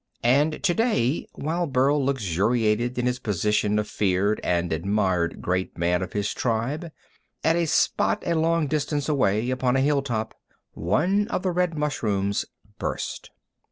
And to day, while Burl luxuriated in his position of feared and admired great man of his tribe, at a spot a long distance away, upon a hill top, one of the red mushrooms burst.